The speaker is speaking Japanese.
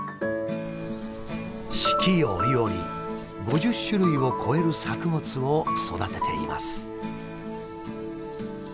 四季折々５０種類を超える作物を育てています。